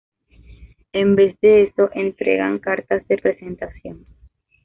En vez de eso entregan "cartas de presentación".